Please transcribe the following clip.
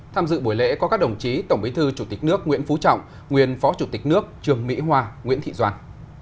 tham dự buổi lễ có các đồng chí tổng bí thư chủ tịch nước nguyễn phú trọng nguyên phó chủ tịch nước trường mỹ hoa nguyễn thị doan